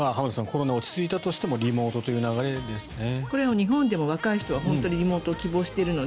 コロナが落ち着いたとしてもリモートという流れですね。